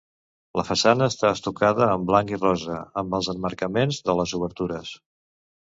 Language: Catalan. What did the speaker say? La façana està estucada en blanc i rosa amb els emmarcaments de les obertures.